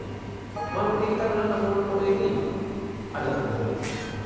まるで板のようなものの上に当たって出ていくと。